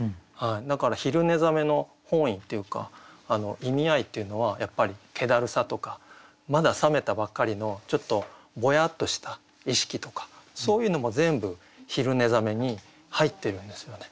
だから「昼寝覚」の本意っていうか意味合いっていうのはやっぱりけだるさとかまだ覚めたばっかりのちょっとぼやっとした意識とかそういうのも全部「昼寝覚」に入ってるんですよね。